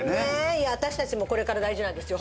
いや私たちもこれから大事なんですよ